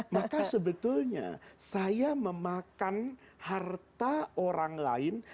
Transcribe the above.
maka sebetulnya saya memakan harta orang lain